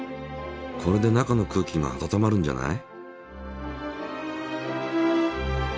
これで中の空気が温まるんじゃない？